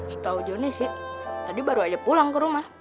setahu joni sih tadi baru aja pulang ke rumah